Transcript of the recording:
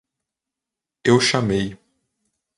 Eu chamei.